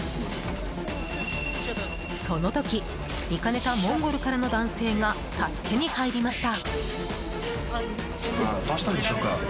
その時、見かねたモンゴルからの男性が助けに入りました。